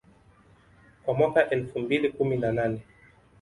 kwa mwaka elfu mbili kumi na nane